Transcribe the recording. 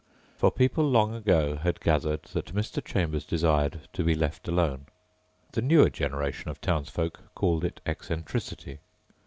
For people long ago had gathered that Mr. Chambers desired to be left alone. The newer generation of townsfolk called it eccentricity.